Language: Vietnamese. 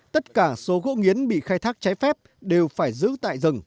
tất cả số gỗ nghiến bị khai thác trái phép đều phải giữ tại rừng